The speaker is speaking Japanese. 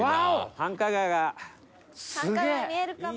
繁華街が見えるかも。